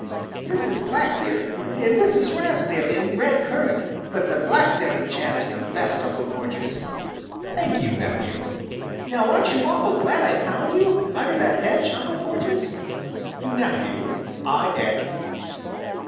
"This is blackberry, an' this is raspberry an' red currant but the blackberry jam's the best, Uncle Porges!" "Thank you, nephew." "Now aren't you awful' glad I found you under that hedge, Uncle Porges?" "Nephew, I am!"